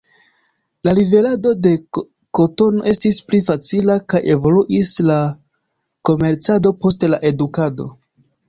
La liverado de kotono estis pli facila kaj evoluis la komercado, poste la edukado.